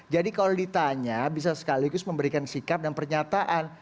jadi kalau ditanya bisa sekaligus memberikan sikap dan pernyataan